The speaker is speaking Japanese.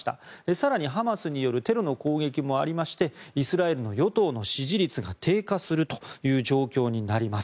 更にハマスによるテロの攻撃もありましてイスラエルの与党の支持率が低下するという状況になります。